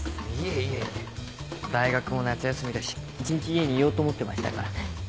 いえいえ大学も夏休みだし一日家にいようと思ってましたから。